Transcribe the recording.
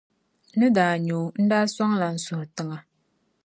N ni daa nya o, n-daa sɔŋla n suhi tiŋa.